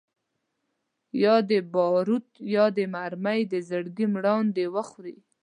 یا دي باروت یا دي مرمۍ د زړګي مراندي وخوري